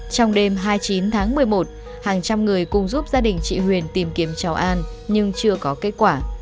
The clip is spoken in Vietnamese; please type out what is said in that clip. trong đêm hai mươi chín tháng một mươi một hàng trăm người cùng giúp gia đình chị huyền tìm kiếm cháu an nhưng chưa có kết quả